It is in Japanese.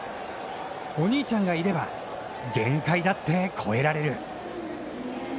お兄ちゃんがいれば、限界だって超えられる。